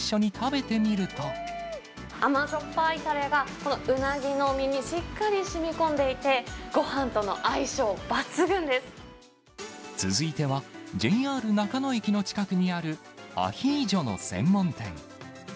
甘じょっぱいたれが、このうなぎの身にしっかりしみこんでいて、ごはんとの相性抜群で続いては、ＪＲ中野駅の近くにある、アヒージョの専門店。